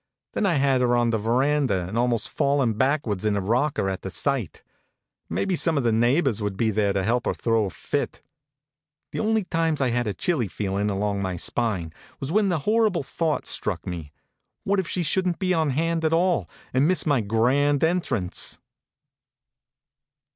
Then I had her on the veranda and almost fallin back wards in her rocker at the sight. Maybe HONK, HONK! some of the neighbors would be there to help her throw a fit. The only times I had a chilly feelin along my spine was when the horrible thought struck me, what if she shouldn t be on hand at all, and miss my grand en trance